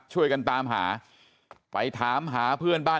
ช่วยกันตามหาไปถามหาเพื่อนบ้าน